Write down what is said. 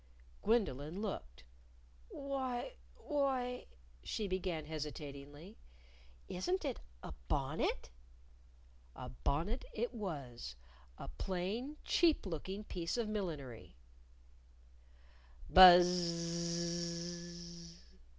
Gwendolyn looked. "Why, why," she began hesitatingly, "isn't it a bonnet?" A bonnet it was a plain, cheap looking piece of millinery. _BUZZ Z Z Z Z!